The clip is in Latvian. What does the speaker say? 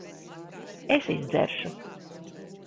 Es izdzeršu.